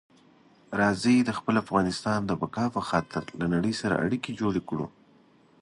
راځئ د خپل افغانستان د بقا په خاطر له نړۍ سره اړیکي جوړې کړو.